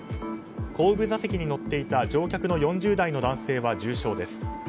後部座席に乗っていた乗客の４０代の男性は重傷です。